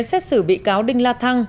xét xử bị cáo đinh la thăng